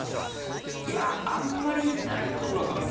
あまりないと思います。